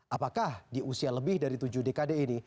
apakah di usia lebih dari tujuh dekade ini